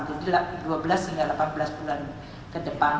jadi dua belas hingga delapan belas bulan ke depan